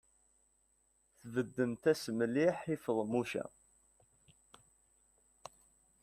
Tbeddemt-as mliḥ i Feḍmuca.